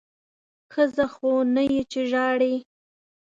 ښځه خو نه یې چې ژاړې!